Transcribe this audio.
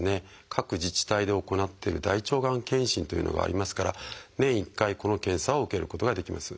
各自治体で行っている大腸がん検診というのがありますから年１回この検査を受けることができます。